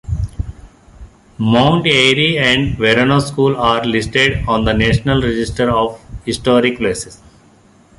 Mount Airy and Verona School are listed on the National Register of Historic Places.